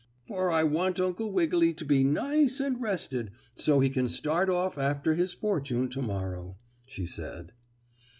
"For I want Uncle Wiggily to be nice and rested so he can start off after his fortune to morrow," she said.